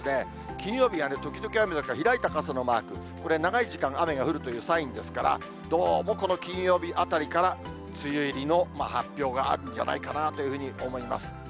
金曜日はね、時々雨、開いた傘のマーク、これ、長い時間、雨が降るというサインですから、どうもこの金曜日あたりから、梅雨入りの発表があるんじゃないかなというふうに思います。